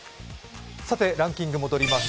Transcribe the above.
ランキング戻ります。